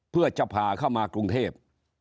เพื่อจะพาเข้ามากรุงเทพ